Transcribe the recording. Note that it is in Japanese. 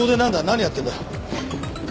何やってんだ？